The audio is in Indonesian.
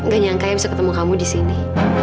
gak nyangka yang bisa ketemu kamu disini